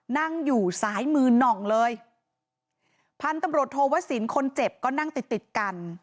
นั่งอยู่ซ้ายมือหน่องเลยพันธุ์ตำรวจโทวสินคนเจ็บก็นั่งติดติดกัน